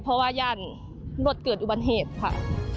เพราะว่ายังรวดเกิดอุบันเหตุค่ะ